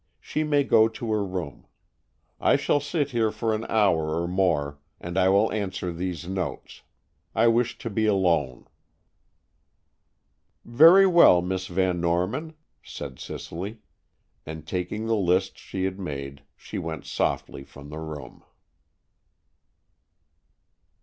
She may go to her room. I shall sit here for an hour or more, and I will answer these notes. I wish to be alone." "Very well, Miss Van Norman," said Cicely, and, taking the lists she had made, she went softly from the room.